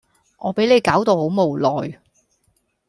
我俾你搞到好無奈